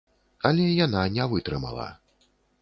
Але яна не вытрымала.